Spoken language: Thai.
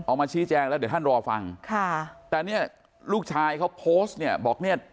ออกมาชี้แจงแล้วเดี๋ยวท่านรอฟังค่ะแต่เนี่ยลูกชายเขาโพสต์เนี่ยบอกเนี่ย